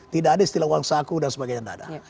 tidak ada istilah uang saku dan sebagainya